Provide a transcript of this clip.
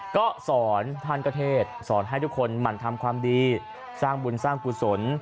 ก็สอนท่านกะเทศสอนให้ทุกคนหมั่นทำความดีสร้างบุญสร้างกุศล